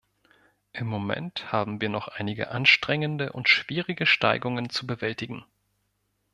Im Moment haben wir noch einige anstrengende und schwierige Steigungen zu bewältigen.